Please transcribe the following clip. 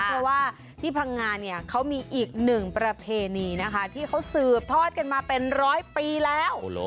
เพราะว่าที่พังงาเนี่ยเขามีอีกหนึ่งประเพณีนะคะที่เขาสืบทอดกันมาเป็นร้อยปีแล้ว